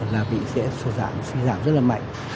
là bị sẽ sửa giảm sửa giảm rất là mạnh